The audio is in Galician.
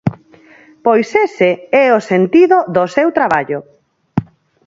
Pois ese é o sentido do seu traballo.